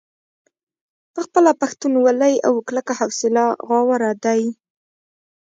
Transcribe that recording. پۀ خپله پښتونولۍ او کلکه حوصله غاوره دے ۔